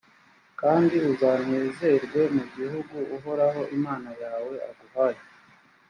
kandi uzanezerwe mu gihugu uhoraho imana yawe aguhaye.